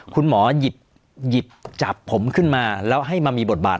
คุณหมอหยิบจับผมขึ้นมาแล้วให้มามีบทบาท